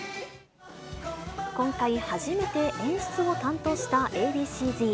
今回、初めて演出を担当したＡ．Ｂ．ＣーＺ。